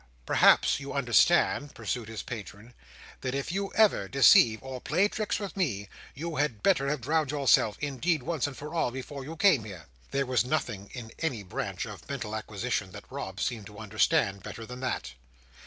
"Perhaps you understand," pursued his patron, "that if you ever deceive or play tricks with me, you had better have drowned yourself, indeed, once for all, before you came here?" There was nothing in any branch of mental acquisition that Rob seemed to understand better than that.